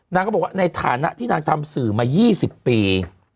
ก็บอกว่าในฐานะที่นางทำสื่อมา๒๐ปี